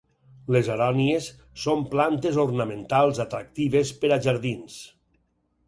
Les arònies són plantes ornamentals atractives per a jardins.